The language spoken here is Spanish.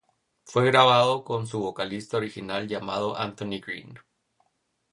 Fue grabado con su vocalista original llamado Anthony Green.